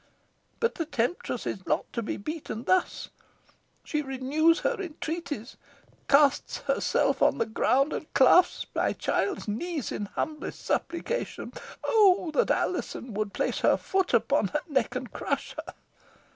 But the temptress is not to be beaten thus. She renews her entreaties, casts herself on the ground, and clasps my child's knees in humblest supplication. Oh! that Alizon would place her foot upon her neck and crush her.